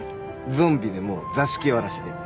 ゾンビでも座敷わらしでも。